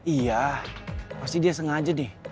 iya pasti dia sengaja nih